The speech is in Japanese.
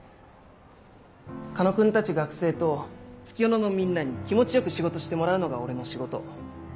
狩野君たち学生と月夜野のみんなに気持ち良く仕事してもらうのが俺の仕事。